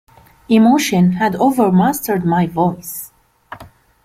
Emotion had overmastered my voice.